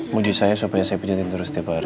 mujih saya supaya saya pijetin terus tiap hari